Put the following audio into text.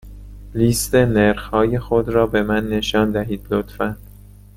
لیست نرخ های خود را به من نشان دهید، لطفا.